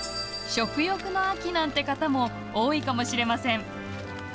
「食欲の秋」なんて方も多いかもしれません。